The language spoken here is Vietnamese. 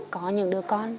có những đứa con